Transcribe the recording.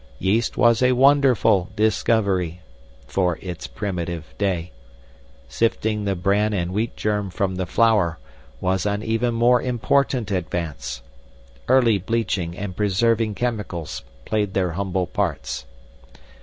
Yeast was a wonderful discovery for its primitive day. Sifting the bran and wheat germ from the flour was an even more important advance. Early bleaching and preserving chemicals played their humble parts.